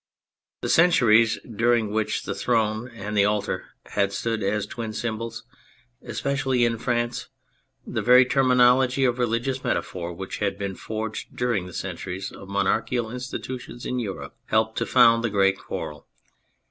The centuries during which the throne and the altar had stood as twin symbols, especially in France, the very terminology of religious metaphor which had been forged during the centuries of monarchical institutions in Europe, helped to found the great quarrel.